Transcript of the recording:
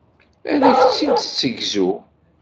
Ad ak-tt-id-tessegzu.